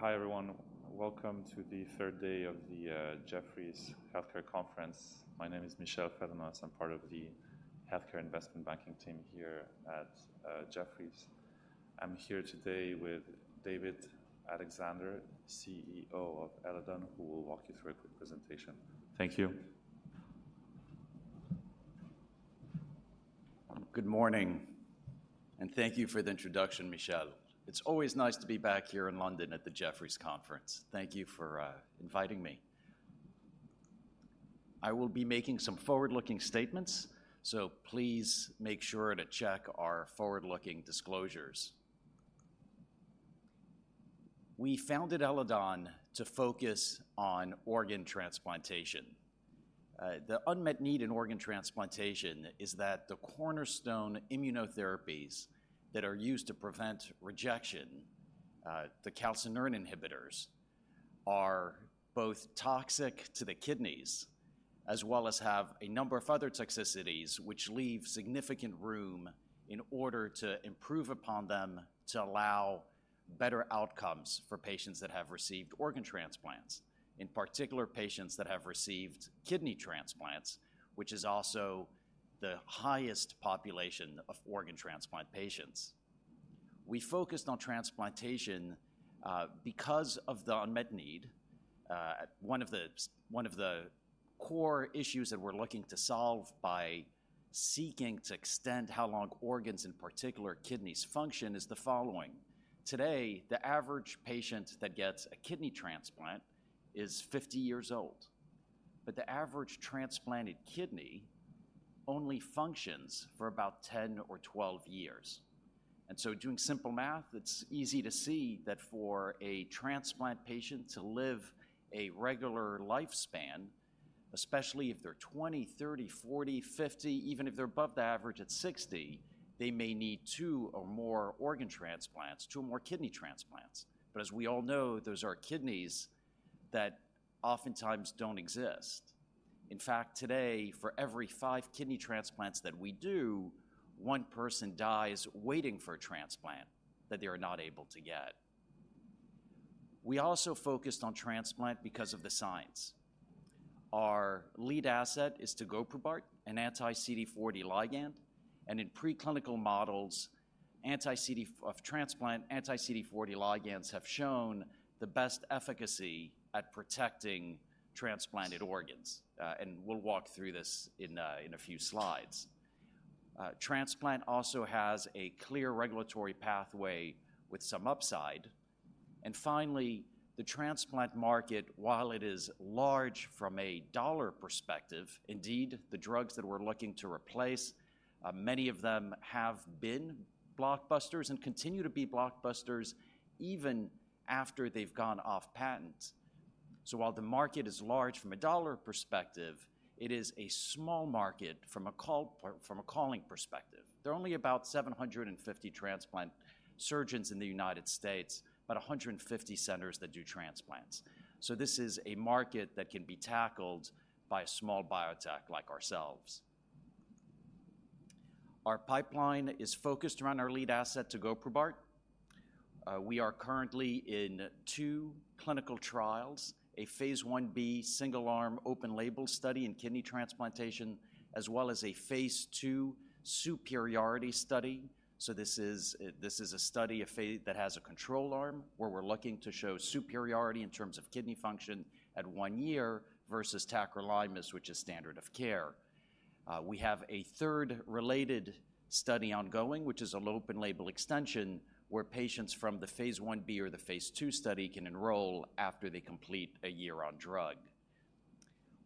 Hi, everyone. Welcome to the third day of the Jefferies Healthcare Conference. My name is Michael Furnas. I'm part of the healthcare investment banking team here at Jefferies. I'm here today with David-Alexandre Gros, CEO of Eledon, who will walk you through a quick presentation. Thank you. Good morning, and thank you for the introduction, Michel. It's always nice to be back here in London at the Jefferies Conference. Thank you for inviting me. I will be making some forward-looking statements, so please make sure to check our forward-looking disclosures. We founded Eledon to focus on organ transplantation. The unmet need in organ transplantation is that the cornerstone immunotherapies that are used to prevent rejection, the calcineurin inhibitors, are both toxic to the kidneys as well as have a number of other toxicities which leave significant room in order to improve upon them to allow better outcomes for patients that have received organ transplants, in particular, patients that have received kidney transplants, which is also the highest population of organ transplant patients. We focused on transplantation because of the unmet need. One of the core issues that we're looking to solve by seeking to extend how long organs, in particular kidneys, function is the following: today, the average patient that gets a kidney transplant is 50 years old, but the average transplanted kidney only functions for about 10 or 12 years. And so doing simple math, it's easy to see that for a transplant patient to live a regular lifespan, especially if they're 20, 30, 40, 50, even if they're above the average at 60, they may need two or more organ transplants, two or more kidney transplants. But as we all know, those are kidneys that oftentimes don't exist. In fact, today, for every five kidney transplants that we do, one person dies waiting for a transplant that they are not able to get. We also focused on transplant because of the science. Our lead asset is Tegoprubart, an anti-CD40 ligand, and in preclinical models, anti-CD40 ligands have shown the best efficacy at protecting transplanted organs. And we'll walk through this in a few slides. Transplant also has a clear regulatory pathway with some upside. And finally, the transplant market, while it is large from a dollar perspective, indeed, the drugs that we're looking to replace, many of them have been blockbusters and continue to be blockbusters even after they've gone off patent. So while the market is large from a dollar perspective, it is a small market from a calling perspective. There are only about 750 transplant surgeons in the United States, about 150 centers that do transplants. So this is a market that can be tackled by a small biotech like ourselves. Our pipeline is focused around our lead asset, Tegoprubart. We are currently in two clinical trials, a phase 1b single-arm open label study in kidney transplantation, as well as a phase 2 superiority study. So this is a study, a phase, that has a control arm, where we're looking to show superiority in terms of kidney function at 1 year versus tacrolimus, which is standard of care. We have a third related study ongoing, which is an open label extension, where patients from the phase 1b or the phase 2 study can enroll after they complete a year on drug.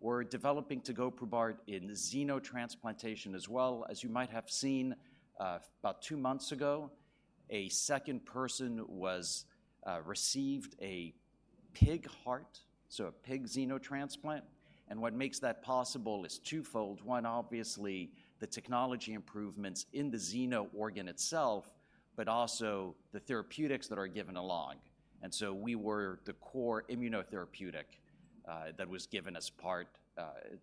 We're developing Tegoprubart in xenotransplantation as well. As you might have seen, about 2 months ago, a second person received a pig heart, so a pig xenotransplant. What makes that possible is twofold. One, obviously, the technology improvements in the xeno organ itself, but also the therapeutics that are given along. And so we were the core immunotherapeutic that was given as part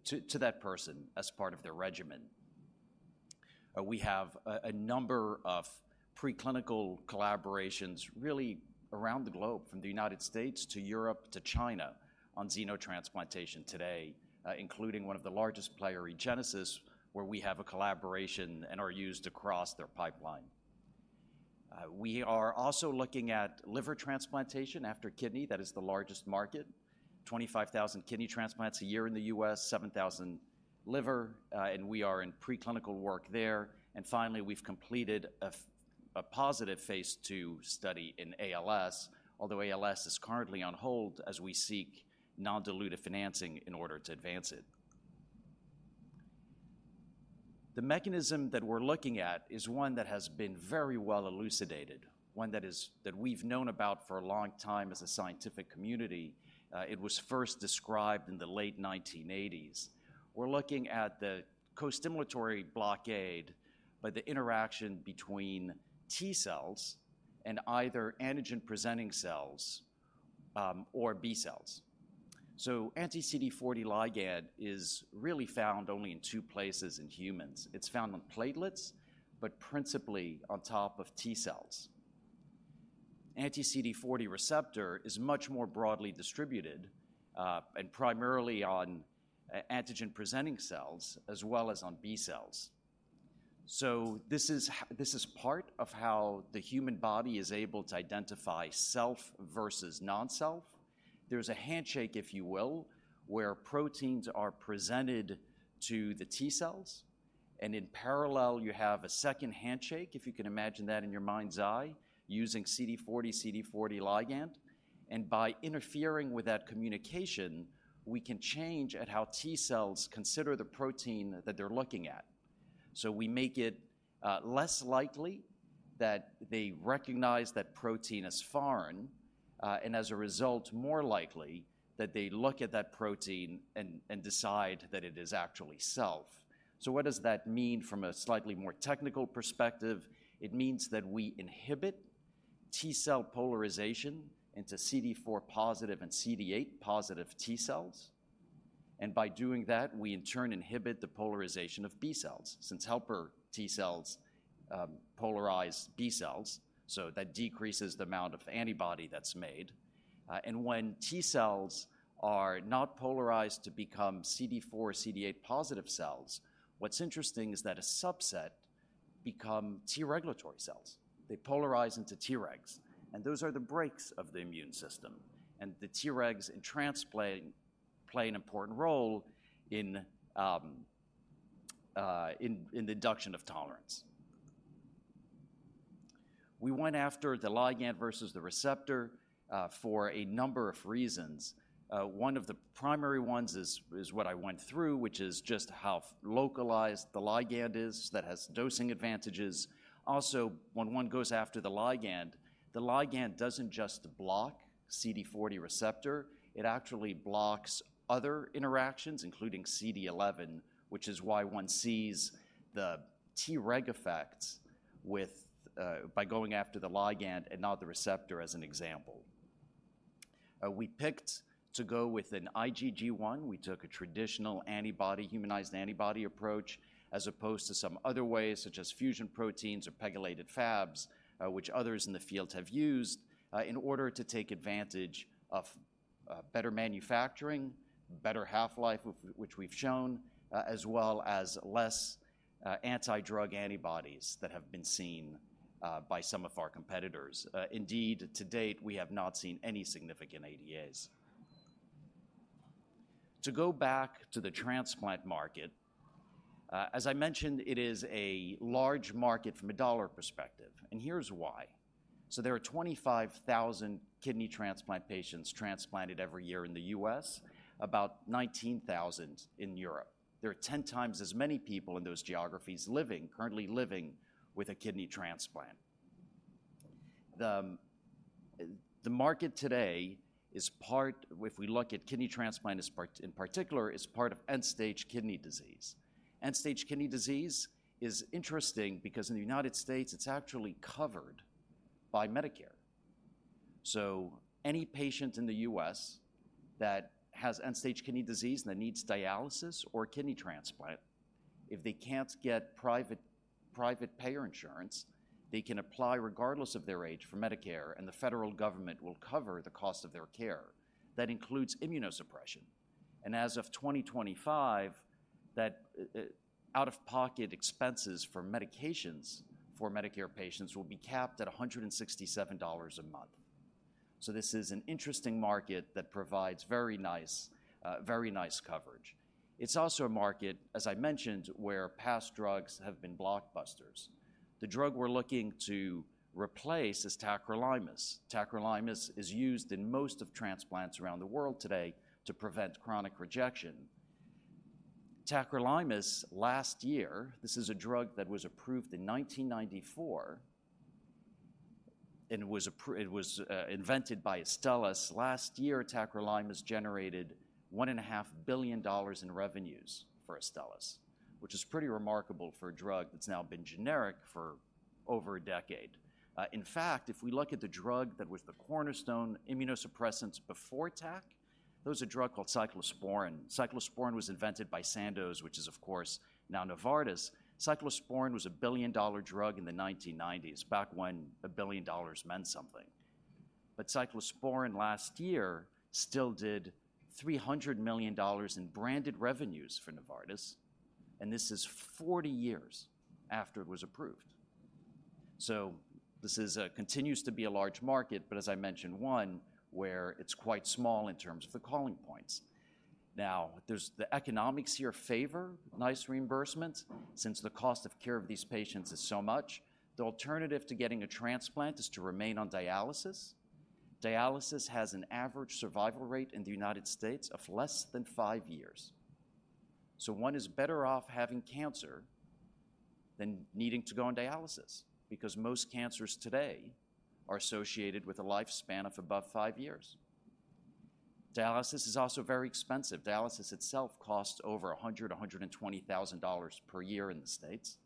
to that person as part of their regimen. We have a number of preclinical collaborations really around the globe, from the United States to Europe to China, on xenotransplantation today, including one of the largest player, eGenesis, where we have a collaboration and are used across their pipeline. We are also looking at liver transplantation after kidney. That is the largest market, 25,000 kidney transplants a year in the U.S., 7,000 liver, and we are in preclinical work there. And finally, we've completed a positive phase II study in ALS, although ALS is currently on hold as we seek non-dilutive financing in order to advance it. The mechanism that we're looking at is one that has been very well elucidated, one that is that we've known about for a long time as a scientific community. It was first described in the late 1980s. We're looking at the costimulatory blockade by the interaction between T-cells and either antigen-presenting cells, or B-cells. So anti-CD40 ligand is really found only in two places in humans. It's found on platelets, but principally on top of T cells. Anti-CD40 receptor is much more broadly distributed, and primarily on antigen-presenting cells as well as on B cells. So this is this is part of how the human body is able to identify self versus non-self. There's a handshake, if you will, where proteins are presented to the T cells, and in parallel, you have a second handshake, if you can imagine that in your mind's eye, using CD40, CD40 ligand. And by interfering with that communication, we can change at how T cells consider the protein that they're looking at. So we make it less likely that they recognize that protein as foreign, and as a result, more likely that they look at that protein and, and decide that it is actually self. So what does that mean from a slightly more technical perspective? It means that we inhibit T cell polarization into CD4 positive and CD8 positive T cells, and by doing that, we in turn inhibit the polarization of B cells, since helper T cells polarize B cells, so that decreases the amount of antibody that's made. And when T cells are not polarized to become CD4, CD8 positive cells, what's interesting is that a subset become T regulatory cells. They polarize into Tregs, and those are the brakes of the immune system, and the Tregs in transplant play an important role in the induction of tolerance. We went after the ligand versus the receptor for a number of reasons. One of the primary ones is what I went through, which is just how localized the ligand is. That has dosing advantages. Also, when one goes after the ligand, the ligand doesn't just block CD40 receptor, it actually blocks other interactions, including CD11, which is why one sees the Treg effects with by going after the ligand and not the receptor, as an example. We picked to go with an IgG1. We took a traditional antibody, humanized antibody approach, as opposed to some other ways, such as fusion proteins or pegylated Fabs, which others in the field have used, in order to take advantage of better manufacturing, better half-life, which we've shown, as well as less anti-drug antibodies that have been seen by some of our competitors. Indeed, to date, we have not seen any significant ADAs. To go back to the transplant market, as I mentioned, it is a large market from a dollar perspective, and here's why. So there are 25,000 kidney transplant patients transplanted every year in the U.S., about 19,000 in Europe. There are 10 times as many people in those geographies living, currently living with a kidney transplant. The market today is part... If we look at kidney transplant, in particular, is part of end-stage kidney disease. End-stage kidney disease is interesting because in the United States, it's actually covered by Medicare. So any patient in the U.S. that has end-stage kidney disease and that needs dialysis or kidney transplant, if they can't get private, private payer insurance, they can apply, regardless of their age, for Medicare, and the federal government will cover the cost of their care. That includes immunosuppression, and as of 2025, that, out-of-pocket expenses for medications for Medicare patients will be capped at $167 a month. So this is an interesting market that provides very nice, very nice coverage. It's also a market, as I mentioned, where past drugs have been blockbusters. The drug we're looking to replace is tacrolimus. Tacrolimus is used in most of transplants around the world today to prevent chronic rejection. Tacrolimus, last year, this is a drug that was approved in 1994, and it was invented by Astellas. Last year, tacrolimus generated $1.5 billion in revenues for Astellas, which is pretty remarkable for a drug that's now been generic for over a decade. In fact, if we look at the drug that was the cornerstone immunosuppressants before tac, there was a drug called cyclosporine. Cyclosporine was invented by Sandoz, which is, of course, now Novartis. Cyclosporine was a billion-dollar drug in the 1990s, back when a billion dollars meant something. But cyclosporine last year still did $300 million in branded revenues for Novartis, and this is 40 years after it was approved. So this is continues to be a large market, but as I mentioned, one where it's quite small in terms of the calling points. Now, there's the economics here favor nice reimbursements, since the cost of care of these patients is so much. The alternative to getting a transplant is to remain on dialysis. Dialysis has an average survival rate in the United States of less than 5 years. So one is better off having cancer than needing to go on dialysis, because most cancers today are associated with a lifespan of above 5 years. Dialysis is also very expensive. Dialysis itself costs over $120,000 per year in the States,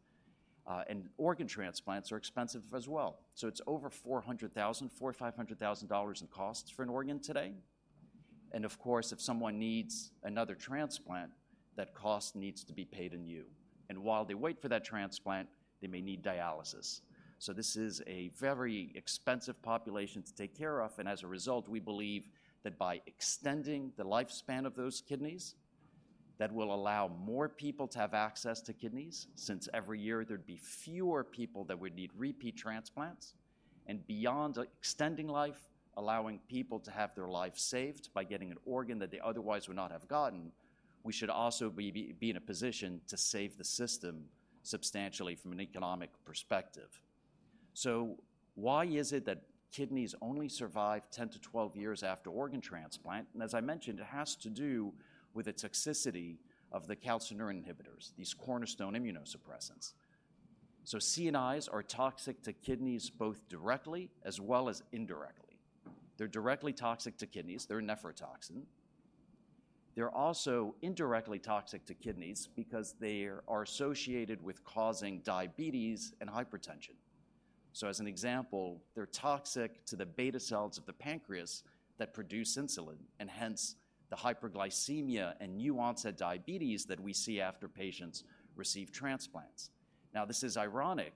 and organ transplants are expensive as well. So it's over $400,000-$500,000 in costs for an organ today. Of course, if someone needs another transplant, that cost needs to be paid anew. While they wait for that transplant, they may need dialysis. This is a very expensive population to take care of, and as a result, we believe that by extending the lifespan of those kidneys, that will allow more people to have access to kidneys, since every year there'd be fewer people that would need repeat transplants. Beyond extending life, allowing people to have their life saved by getting an organ that they otherwise would not have gotten, we should also be in a position to save the system substantially from an economic perspective. Why is it that kidneys only survive 10-12 years after organ transplant? As I mentioned, it has to do with the toxicity of the calcineurin inhibitors, these cornerstone immunosuppressants. So CNIs are toxic to kidneys, both directly as well as indirectly. They're directly toxic to kidneys. They're a nephrotoxin. They're also indirectly toxic to kidneys because they are associated with causing diabetes and hypertension. So as an example, they're toxic to the beta cells of the pancreas that produce insulin, and hence the hyperglycemia and new-onset diabetes that we see after patients receive transplants. Now, this is ironic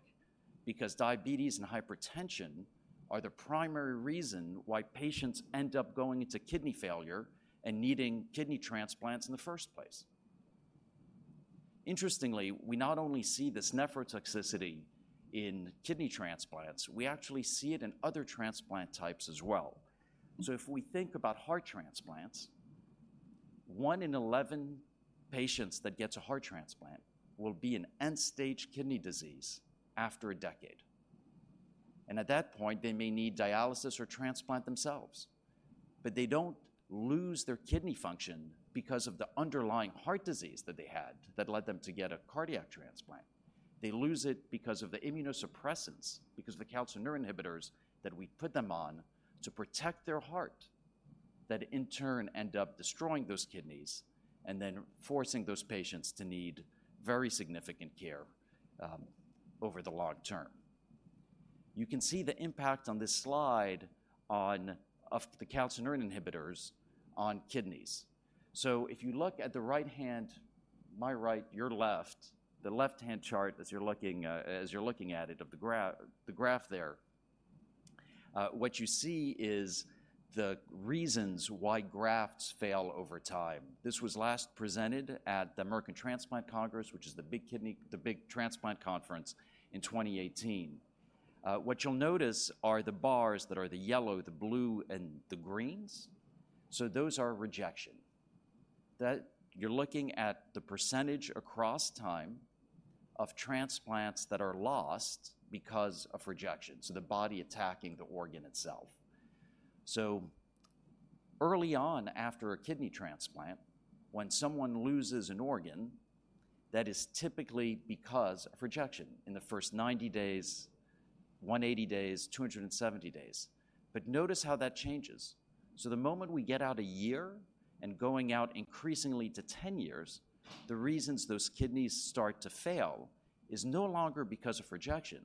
because diabetes and hypertension are the primary reason why patients end up going into kidney failure and needing kidney transplants in the first place. Interestingly, we not only see this nephrotoxicity in kidney transplants, we actually see it in other transplant types as well. So if we think about heart transplants, 1 in 11 patients that gets a heart transplant will be in end-stage kidney disease after a decade, and at that point, they may need dialysis or transplant themselves. But they don't lose their kidney function because of the underlying heart disease that they had that led them to get a cardiac transplant. They lose it because of the immunosuppressants, because the calcineurin inhibitors that we put them on to protect their heart, that in turn end up destroying those kidneys and then forcing those patients to need very significant care over the long term. You can see the impact on this slide of the calcineurin inhibitors on kidneys. So if you look at the right hand, my right, your left, the left-hand chart, as you're looking at it, of the graph there, what you see is the reasons why grafts fail over time. This was last presented at the American Transplant Congress, which is the big kidney the big transplant conference in 2018. What you'll notice are the bars that are the yellow, the blue, and the greens. So those are rejection, that you're looking at the percentage across time of transplants that are lost because of rejection, so the body attacking the organ itself. So early on after a kidney transplant, when someone loses an organ, that is typically because of rejection in the first 90 days, 180 days, 270 days. But notice how that changes. So the moment we get out a year and going out increasingly to 10 years, the reasons those kidneys start to fail is no longer because of rejection.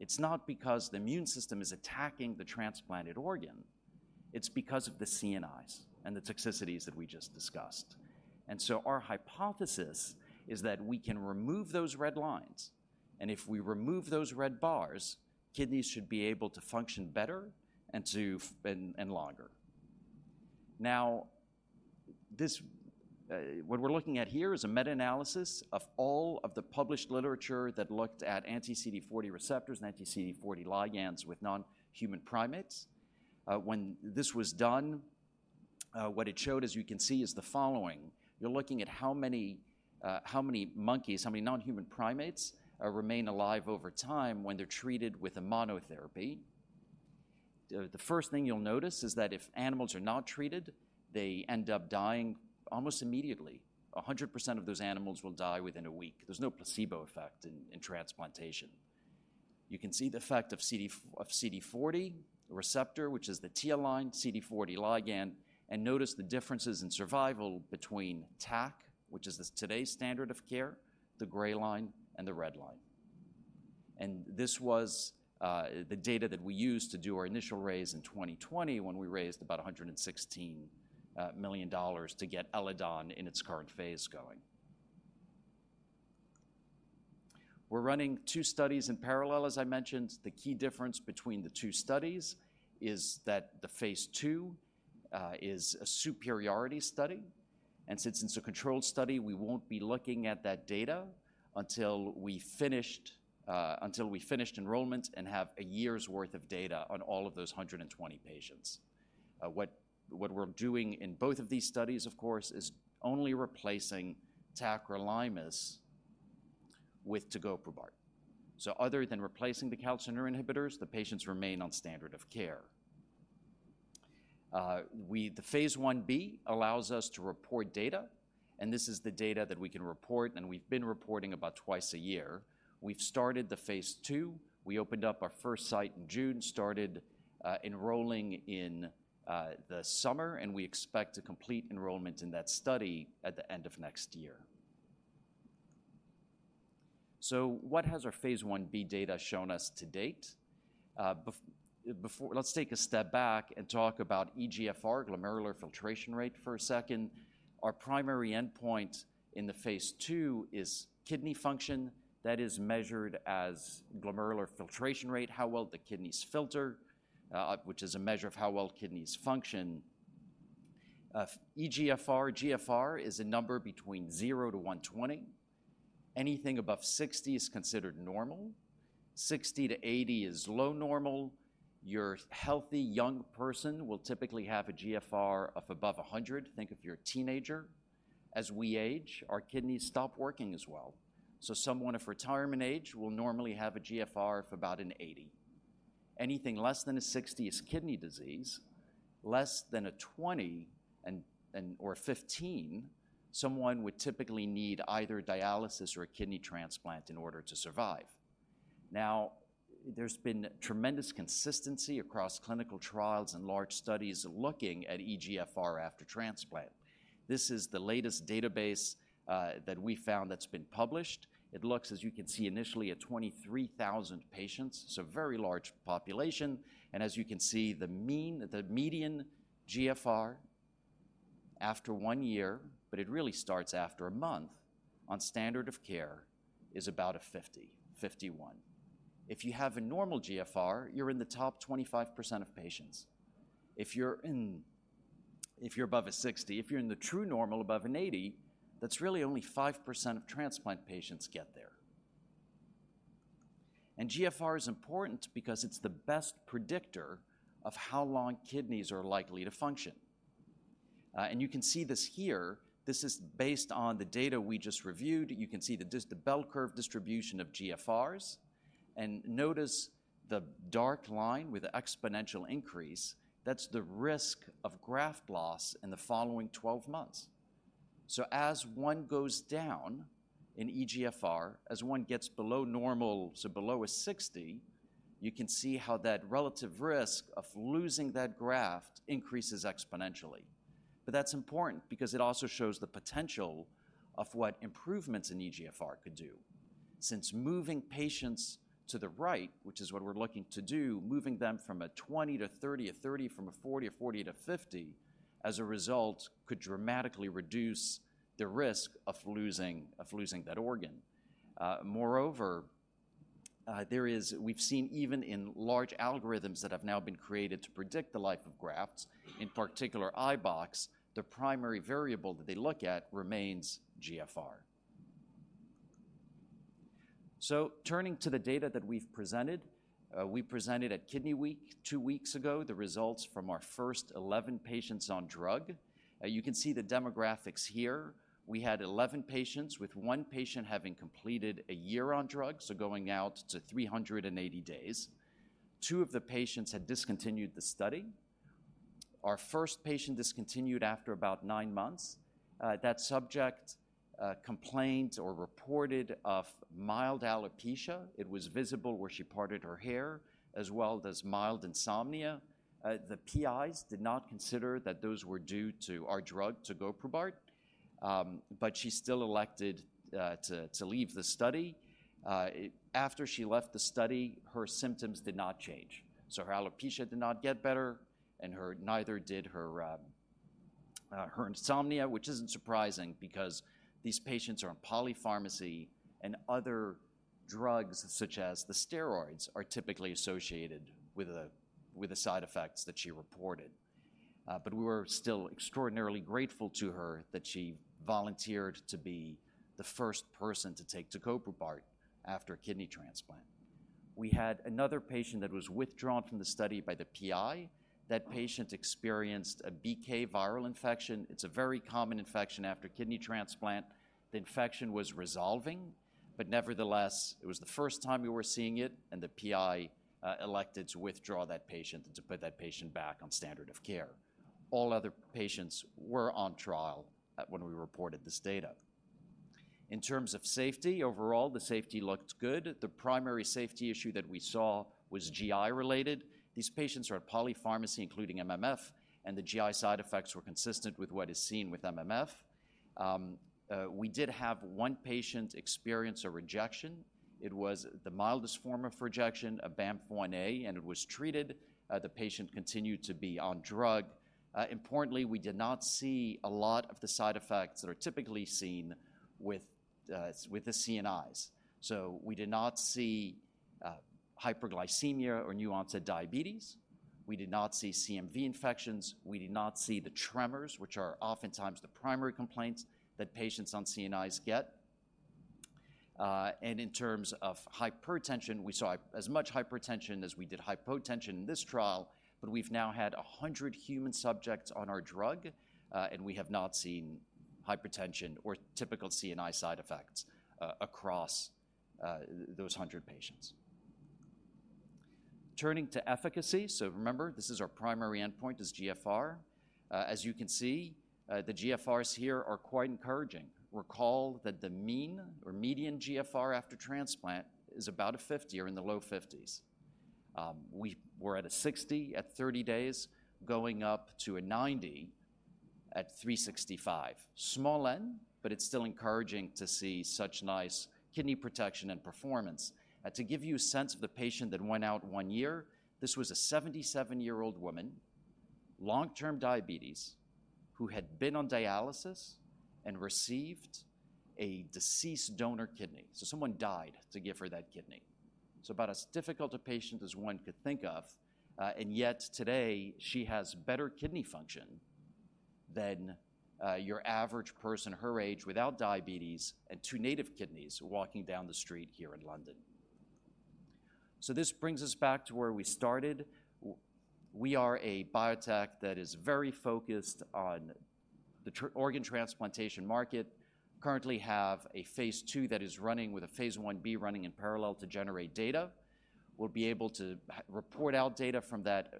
It's not because the immune system is attacking the transplanted organ. It's because of the CNIs and the toxicities that we just discussed. And so our hypothesis is that we can remove those red lines, and if we remove those red bars, kidneys should be able to function better and longer. Now, this, what we're looking at here, is a meta-analysis of all of the published literature that looked at anti-CD40 receptors and anti-CD40 ligands with non-human primates. When this was done, what it showed, as you can see, is the following: You're looking at how many monkeys, how many non-human primates remain alive over time when they're treated with a monotherapy. The first thing you'll notice is that if animals are not treated, they end up dying almost immediately. 100% of those animals will die within a week. There's no placebo effect in transplantation. You can see the effect of CD40, the receptor, which is the T line, CD40 ligand, and notice the differences in survival between TAC, which is today's standard of care, the gray line and the red line. This was the data that we used to do our initial raise in 2020, when we raised about $116 million to get Eledon in its current phase going. We're running two studies in parallel, as I mentioned. The key difference between the two studies is that the phase II is a superiority study, and since it's a controlled study, we won't be looking at that data until we finished enrollment and have a year's worth of data on all of those 120 patients. What we're doing in both of these studies, of course, is only replacing tacrolimus with tegoprubart. So other than replacing the calcineurin inhibitors, the patients remain on standard of care. The phase Ib allows us to report data, and this is the data that we can report, and we've been reporting about twice a year. We've started the phase II. We opened up our first site in June, started enrolling in the summer, and we expect to complete enrollment in that study at the end of next year. So what has our phase Ib data shown us to date? Before, let's take a step back and talk about eGFR, glomerular filtration rate, for a second. Our primary endpoint in the phase II is kidney function. That is measured as glomerular filtration rate, how well the kidneys filter, which is a measure of how well kidneys function. eGFR, GFR is a number between 0 to 120. Anything above 60 is considered normal. 60-80 is low normal. Your healthy young person will typically have a GFR of above 100. Think if you're a teenager. As we age, our kidneys stop working as well. So someone of retirement age will normally have a GFR of about 80. Anything less than 60 is kidney disease. Less than 20 or 15, someone would typically need either dialysis or a kidney transplant in order to survive. Now, there's been tremendous consistency across clinical trials and large studies looking at eGFR after transplant. This is the latest database that we found that's been published. It looks, as you can see, initially, at 23,000 patients, so very large population. As you can see, the mean, the median GFR after 1 year, but it really starts after a month on standard of care, is about a 50, 51. If you have a normal GFR, you're in the top 25% of patients. If you're above a 60, if you're in the true normal, above an 80, that's really only 5% of transplant patients get there. And GFR is important because it's the best predictor of how long kidneys are likely to function. And you can see this here. This is based on the data we just reviewed. You can see the bell curve distribution of GFRs, and notice the dark line with the exponential increase. That's the risk of graft loss in the following 12 months. So as one goes down in eGFR, as one gets below normal, so below 60, you can see how that relative risk of losing that graft increases exponentially. But that's important because it also shows the potential of what improvements in eGFR could do. Since moving patients to the right, which is what we're looking to do, moving them from a 20 to 30, a 30 from a 40, a 40 to 50, as a result, could dramatically reduce the risk of losing, of losing that organ. Moreover, we've seen even in large algorithms that have now been created to predict the life of grafts, in particular, iBox, the primary variable that they look at remains GFR. So turning to the data that we've presented, we presented at Kidney Week, two weeks ago, the results from our first 11 patients on drug. You can see the demographics here. We had 11 patients, with one patient having completed a year on drugs, so going out to 380 days. Two of the patients had discontinued the study. Our first patient discontinued after about nine months. That subject complained or reported of mild alopecia. It was visible where she parted her hair, as well as mild insomnia. The PIs did not consider that those were due to our drug, tegoprubart, but she still elected to leave the study. After she left the study, her symptoms did not change. So her alopecia did not get better, and her, neither did her, her insomnia, which isn't surprising because these patients are on polypharmacy, and other drugs, such as the steroids, are typically associated with the side effects that she reported. But we were still extraordinarily grateful to her that she volunteered to be the first person to take tegoprubart after a kidney transplant. We had another patient that was withdrawn from the study by the PI. That patient experienced a BK viral infection. It's a very common infection after kidney transplant. The infection was resolving, but nevertheless, it was the first time we were seeing it, and the PI elected to withdraw that patient and to put that patient back on standard of care. All other patients were on trial at when we reported this data. In terms of safety, overall, the safety looked good. The primary safety issue that we saw was GI related. These patients are on polypharmacy, including MMF, and the GI side effects were consistent with what is seen with MMF. We did have one patient experience a rejection. It was the mildest form of rejection, a Banff 1A, and it was treated. The patient continued to be on drug. Importantly, we did not see a lot of the side effects that are typically seen with the CNIs. So we did not see hyperglycemia or new-onset diabetes. We did not see CMV infections. We did not see the tremors, which are oftentimes the primary complaints that patients on CNIs get. And in terms of hypertension, we saw as much hypertension as we did hypotension in this trial, but we've now had 100 human subjects on our drug, and we have not seen hypertension or typical CNI side effects across those 100 patients. Turning to efficacy, so remember, this is our primary endpoint, is GFR. As you can see, the GFRs here are quite encouraging. Recall that the mean or median GFR after transplant is about a 50 or in the low 50s. We were at a 60 at 30 days, going up to a 90 at 365. Small n, but it's still encouraging to see such nice kidney protection and performance. And to give you a sense of the patient that went out 1 year, this was a 77-year-old woman, long-term diabetes, who had been on dialysis and received a deceased donor kidney. So someone died to give her that kidney. So about as difficult a patient as one could think of, and yet today, she has better kidney function than your average person her age without diabetes and two native kidneys walking down the street here in London. So this brings us back to where we started. We are a biotech that is very focused on the organ transplantation market. Currently have a phase II that is running with a phase Ib running in parallel to generate data. We'll be able to report out data from that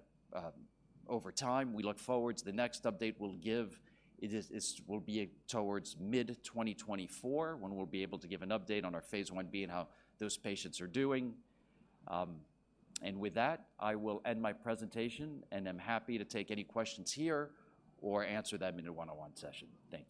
over time. We look forward to the next update we'll give. It will be towards mid-2024, when we'll be able to give an update on our phase Ib and how those patients are doing. And with that, I will end my presentation, and I'm happy to take any questions here or answer them in a one-on-one session. Thank you.